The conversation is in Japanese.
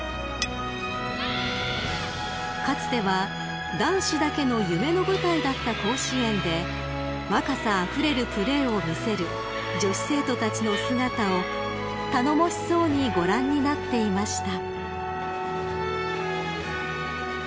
［かつては男子だけの夢の舞台だった甲子園で若さあふれるプレーを見せる女子生徒たちの姿を頼もしそうにご覧になっていました］